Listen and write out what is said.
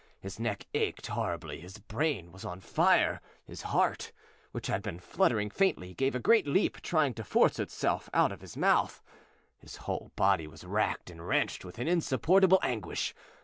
His neck ached horribly; his brain was on fire; his heart, which had been fluttering faintly, gave a great leap, trying to force itself out at his mouth. His whole body was racked and wrenched with an insupportable anguish!